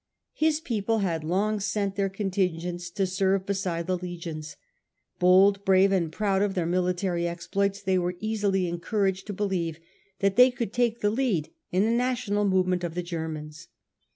His people had long sent their contingents to serve beside the legions. Bold, brave, and proud of their military exploits, they were easily encouraged to believe that they could take the lead in a national movement of the Germans.